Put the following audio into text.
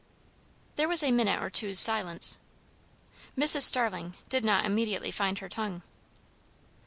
There was a minute or two's silence. Mrs. Starling did not immediately find her tongue.